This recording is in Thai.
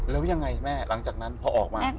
แล้วยังไงแม่หลังจากนั้นพอออกมา